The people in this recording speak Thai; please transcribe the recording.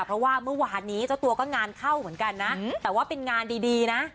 เพราะว่าเมื่อวานนี้เจ้าตัวก็งานเข้าเหมือนกันนะแต่ว่าเป็นงานดีนะ